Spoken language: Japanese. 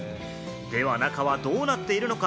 では中はどうなっているのか？